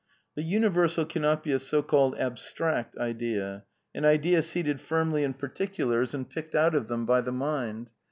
The universal cannot be a so called '^ abstract idea ; an idea seated firmly in particulars and picked out of them by the mind.